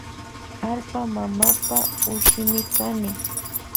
Allpa mamapa ushimi kani.